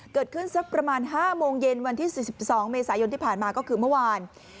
สักประมาณ๕โมงเย็นวันที่๔๒เมษายนที่ผ่านมาก็คือเมื่อวาน